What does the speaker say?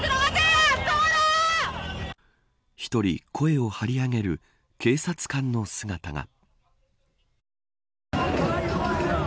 １人声を張り上げる警察官の姿が。